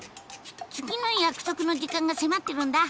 次の約束の時間が迫ってるんだ。